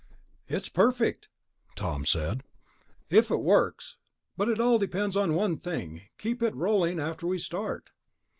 "It's perfect," Tom said, "if it works. But it all depends on one thing ... keeping it rolling after we start...."